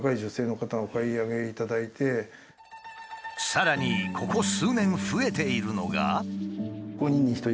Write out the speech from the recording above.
さらにここ数年増えているのが。